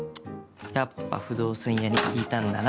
チッやっぱ不動産屋に聞いたんだな。